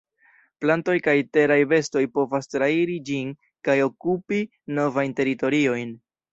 Plantoj kaj teraj bestoj povas trairi ĝin kaj okupi novajn teritoriojn.